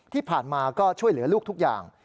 ที่ผ่านมาก็ช่วยเหลือลูกทุกอย่าง